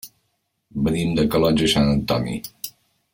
Venim de Calonge i Sant Antoni.